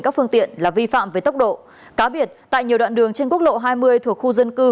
các phương tiện là vi phạm về tốc độ cá biệt tại nhiều đoạn đường trên quốc lộ hai mươi thuộc khu dân cư